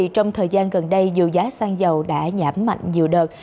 trong thời gian gần đây dù giá xăng dầu đã giảm mạnh nhiều đợt